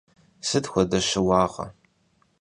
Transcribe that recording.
Сыт хуэдэ щыуагъэ?